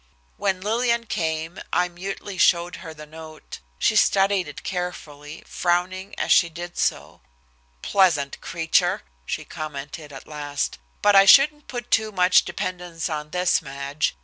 When Lillian came, I mutely showed her the note. She studied it carefully, frowning as she did so. "Pleasant creature!" she commented at last. "But I shouldn't put too much dependence on this, Madge.